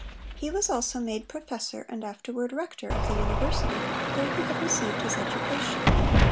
He was also made professor and afterward rector of the university where he had received his education.